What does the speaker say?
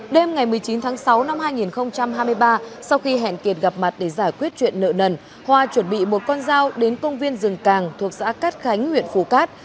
đêm ngày một mươi chín tháng sáu năm hai nghìn hai mươi ba sau khi hẹn kiệt gặp mặt để giải quyết chuyện nợ nần hoa chuẩn bị một con dao đến công viên rừng càng thuộc xã cát khánh huyện phù cát